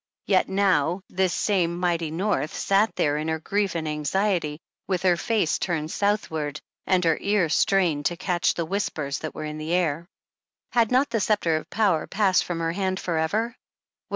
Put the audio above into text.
Yet now, this same mighty North sat there in her grief and anxiety, with her face turned Southward, and her ear strained to catch the whispers that were in the air. Had not the sceptre of power passed from her hand forever?